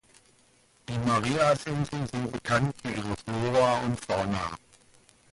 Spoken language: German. Die Marias-Inseln sind bekannt für ihre Flora und Fauna.